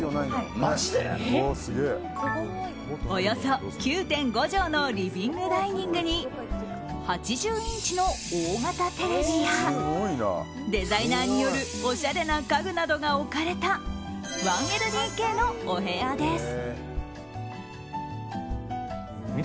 およそ９．５畳のリビングダイニングに８０インチの大型テレビやデザイナーによるおしゃれな家具などが置かれた１ＬＤＫのお部屋です。